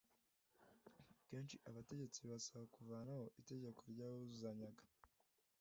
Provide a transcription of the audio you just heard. kenshi abategetsi bibasaba kuvanaho itegeko ryabuzanyaga